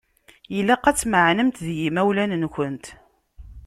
Ilaq ad tmeεnemt d yimawlan-nkent.